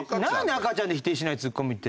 赤ちゃんで否定しないツッコミって。